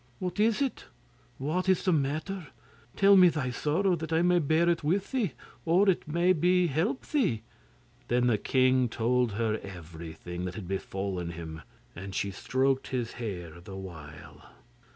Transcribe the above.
'What is it? What is the matter? Tell me thy sorrow that I may bear it with thee, or, it may be, help thee!' Then the king told her everything that had befallen him, and she stroked his hair the while.